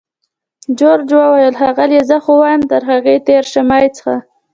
جورج وویل: ښاغلې! زه خو وایم تر هغوی تېر شه، مه یې څښه.